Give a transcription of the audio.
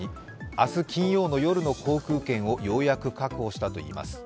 明日金曜の夜の航空券をようやく確保したといいます。